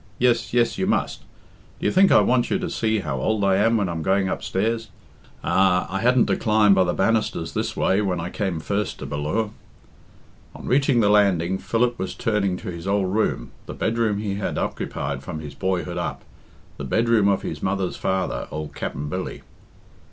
Yes, yes, you must. Do you think I want you to see how old I am when I'm going upstairs? Ah! I hadn't to climb by the banisters this way when I came first to Bal lure." On reaching the landing, Philip was turning to his old room, the bedroom he had occupied from his boyhood up, the bedroom of his mother's father, old Capt'n Billy.